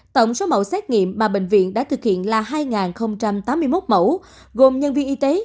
tổng số mẫu xét nghiệm mà bệnh viện đã thực hiện là hai tám mươi một mẫu gồm nhân viên y tế